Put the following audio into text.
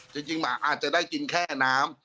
หมาอาจจะได้กินแค่น้ำ